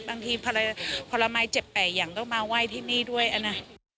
บางทีผลไม้เจ็บ๘อย่างต้องมาไหว้ที่นี่ด้วยนะ